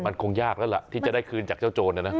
มันคงยากแล้วล่ะที่จะได้คืนจากเจ้าโจรนะนะ